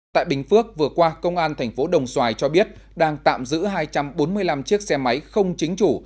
tại bình phước vừa qua công an tp đồng xoài cho biết đang tạm giữ hai trăm bốn mươi năm chiếc xe máy không chính chủ